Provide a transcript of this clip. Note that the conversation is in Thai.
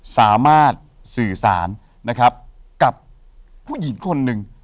สามารถสื่อสารนะครับกับผู้หญิงคนหนึ่ง